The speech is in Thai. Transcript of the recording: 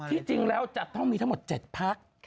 ที่จริงแล้วจะต้องมีทั้งหมด๗พัก